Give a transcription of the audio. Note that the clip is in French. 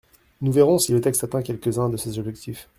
Nous verrons si le texte atteint quelques-uns de ses objectifs.